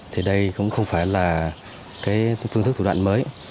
thì đây cũng không phải là cái phương thức thủ đoạn mới